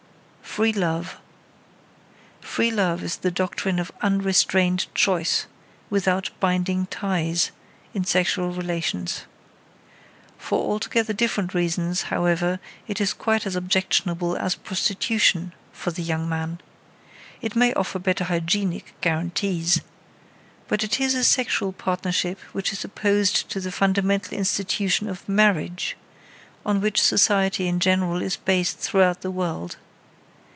FREE LOVE Free love is the doctrine of unrestrained choice, without binding ties, in sexual relations. For altogether different reasons, however, it is quite as objectionable as prostitution for the young man. It may offer better hygienic guarantees. But it is a sexual partnership which is opposed to the fundamental institution of marriage, on which society in general is based throughout the world.